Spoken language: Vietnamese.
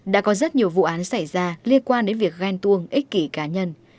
đã có rất nhiều vụ án xảy ra liên quan đến việc ghen tuông ích kỷ cá nhân